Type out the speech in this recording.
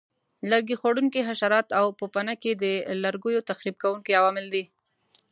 لرګي خوړونکي حشرات او پوپنکي د لرګیو تخریب کوونکي عوامل دي.